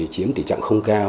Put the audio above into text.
chiếm tỷ trọng không cao